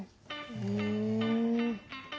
うん。